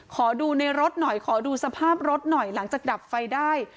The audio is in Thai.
ขอดูในรถหน่อยขอดูสภาพรถหน่อยหลังจากดับไฟได้